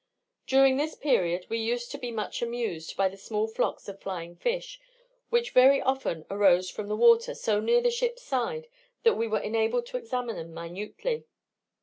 During this period we used to be much amused by small flocks of flying fish, which very often rose from the water so near the ship's side that we were enabled to examine them minutely.